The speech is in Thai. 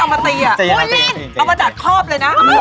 เอามาเจาะคอบเลยนะ